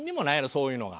そういうのが。